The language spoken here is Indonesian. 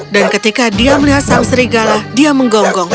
dan ketika dia melihat sang serigala dia menggonggong